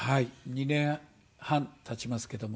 ２年半経ちますけども。